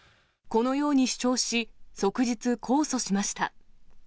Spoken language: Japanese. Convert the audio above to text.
このように主張し、即日控訴しました。